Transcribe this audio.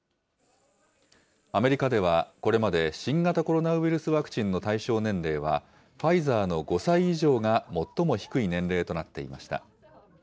アメリカでは、これまで新型コロナウイルスワクチンの対象年齢は、ファイザーの５歳以上が最も低い年齢となっていました。